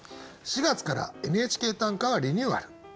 ４月から「ＮＨＫ短歌」はリニューアル。